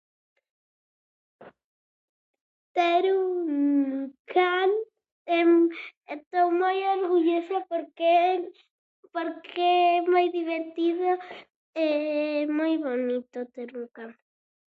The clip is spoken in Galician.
Ter un can. Estou moi orgullosa porque é porque é moi divertido e moi bonito ter un can.